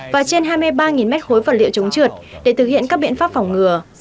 và trên hai mươi ba mét khối vật liệu chống trượt để thực hiện các biện pháp phòng ngừa